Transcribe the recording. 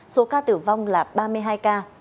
số ca tử vong là ba mươi hai ca